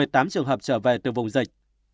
một mươi tám trường hợp trở về từ vùng dịch